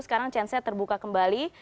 sekarang chance nya terbuka kembali